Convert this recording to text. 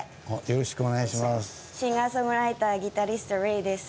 よろしくお願いします。